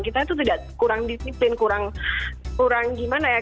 kita itu tidak kurang disiplin kurang gimana ya